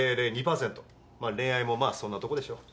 恋愛もまあそんなとこでしょ。